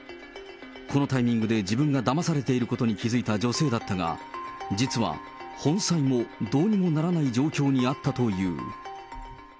このタイミングで自分がだまされていることに気付いた女性だったが、実は本妻もどうにもならない状況にあったという。